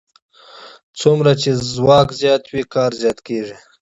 څومره چې ځواک زیات وي کار زیات کېږي.